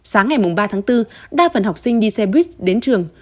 sáng ngày ba tháng bốn đa phần học sinh đi xe buýt đến trường